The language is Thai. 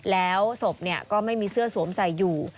แล้วศพก็ไม่มีเสื้อสวมใส่อยู่